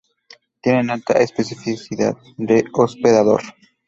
Tienen alta especificidad de hospedador.